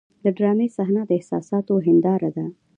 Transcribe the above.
د ډرامې صحنه د احساساتو هنداره ده.